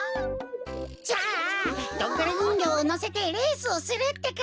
じゃあドングリにんぎょうをのせてレースをするってか！